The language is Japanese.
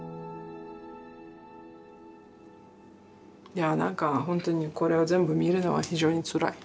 いやぁなんか本当にこれを全部見るのは非常につらい。